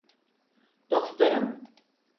Dostlarım…